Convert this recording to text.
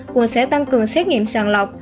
quận sẽ tăng cường xét nghiệm sàn lọc